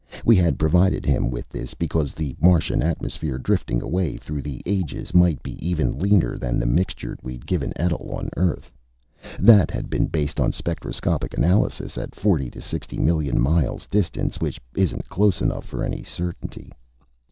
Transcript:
We had provided him with this because the Martian atmosphere, drifting away through the ages, might be even leaner than the mixture we'd given Etl on Earth. That had been based on spectroscopic analyses at 40 to 60 million miles' distance, which isn't close enough for any certainty.